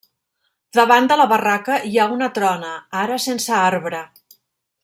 Davant de la barraca hi ha una trona, ara sense arbre.